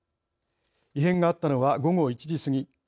異変があったのは、午後１時過ぎ。